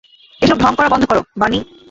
এসব ঢং করা বন্ধ কর, বানি।